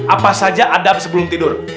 apa saja adam sebelum tidur